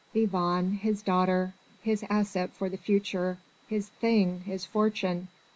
Yvonne! his daughter! his asset for the future! his thing! his fortune!